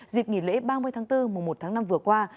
dịp nghỉ lễ ba mươi tháng bốn mùa một tháng năm vừa qua